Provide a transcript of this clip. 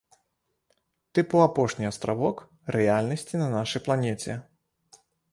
Тыпу апошні астравок рэальнасці на нашай планеце.